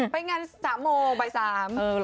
ไปงาน๓โมงใบ๓